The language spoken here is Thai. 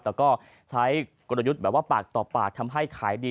แต่ก็ใช้กลยุทธ์แบบว่าปากต่อปากทำให้ขายดี